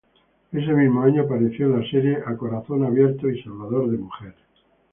Ese mismo año apareció en las series "A corazón abierto" y "Salvador de mujeres".